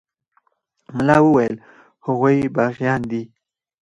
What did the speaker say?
ملا وويل هغوى باغيان دي.